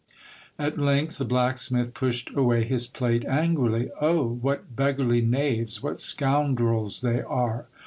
At length the blacksmith pushed away his plate angrily. " Oh, what beggarly knaves, what scoundrels they are